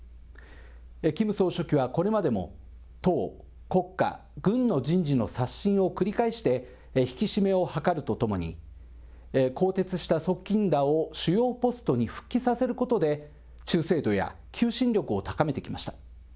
キム総書記はこれまでも、党、国家、軍の人事の刷新を繰り返して、引き締めを図るとともに、更迭した側近らを主要ポストに復帰させることで、忠誠度や求心力を高めてきました。